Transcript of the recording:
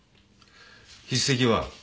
筆跡は？